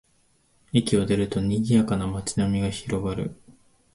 駅を出ると、にぎやかな街並みが広がる